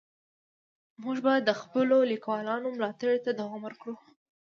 موږ به د خپلو لیکوالانو ملاتړ ته دوام ورکوو.